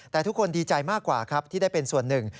แต่ทุกคนดีใจมากกว่าครับที่ได้เป็นส่วนหนึ่ง